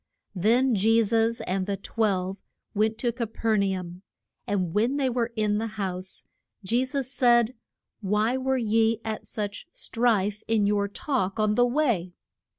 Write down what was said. Then Je sus and the twelve went to Ca per na um. And when they were in the house Je sus said, Why were ye at such strife in your talk on the way?